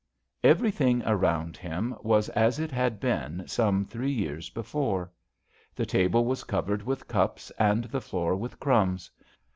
Everything around him was as it had been some three years before. The table was covered with cups and the floor with crumbs.